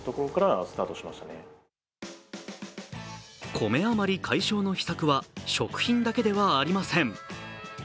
コメ余り解消の秘策は食品だけではありません。